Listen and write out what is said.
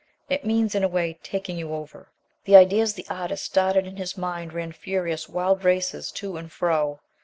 It means, in a way, taking you over." The ideas the artist started in his mind ran furious wild races to and fro.